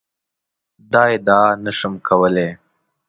دا ادعا نه شم کولای.